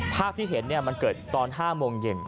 ภาพที่เห็นมันเกิดตอน๕โมงเย็น